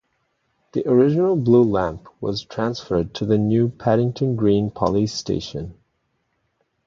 The original blue lamp was transferred to the new Paddington Green Police Station.